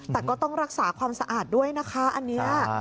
แต่ก็ต้องรักษาความสะอาดด้วยนะคะอันนี้